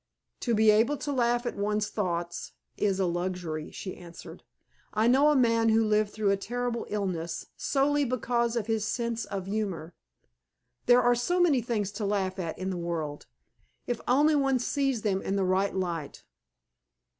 "To be able to laugh at one's thoughts is a luxury," she answered. "I know a man who lived through a terrible illness solely because of his sense of humor. There are so many things to laugh at in the world, if only one sees them in the right light.